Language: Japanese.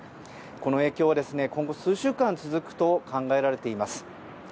この影響は今後、数週間続くと考えられています。